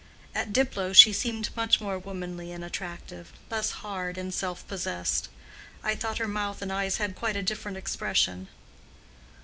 At Diplow she seemed much more womanly and attractive—less hard and self possessed. I thought her mouth and eyes had quite a different expression."